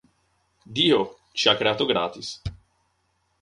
Dio ci ha creato gratis